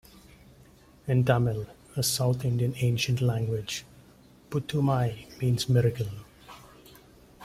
In Tamil, a South Indian ancient language, "Puthumai" means Miracle.